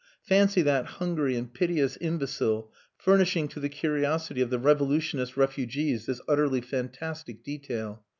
Fancy that hungry and piteous imbecile furnishing to the curiosity of the revolutionist refugees this utterly fantastic detail!